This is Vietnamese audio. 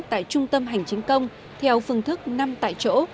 tại trung tâm hành chính công theo phương thức năm tại chỗ